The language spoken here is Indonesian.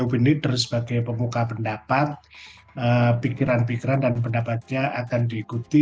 opini leader sebagai pemuka pendapat pikiran pikiran dan pendapatnya akan diikuti